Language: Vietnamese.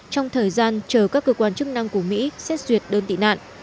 trong thời gian chờ các cơ quan chức năng của mỹ xét xuyệt đơn tị nạn